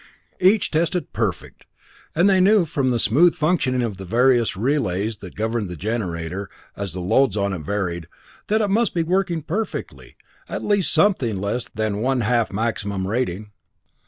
Each tested perfect; and they knew from the smooth functioning of the various relays that governed the generator, as the loads on it varied, that it must be working perfectly, at something less than one half maximum rating.